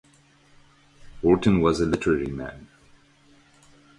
Horton was a literary man.